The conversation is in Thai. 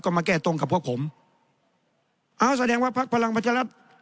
ก็มาแก้ตรงกับพวกผมอ้าวแสดงว่าพักพลังประชารัฐ